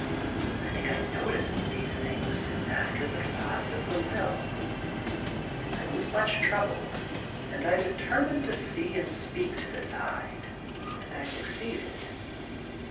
I think I noticed these things soon after the deposit of the will. I was much troubled, and I determined to see Dr. Jekyll and Mr. Hyde. 9 and speak to this Hyde, and I succeeded.